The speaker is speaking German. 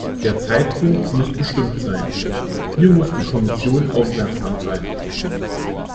Der Zeitpunkt muss bestimmt sein. Hier muss die Kommission aufmerksam sein.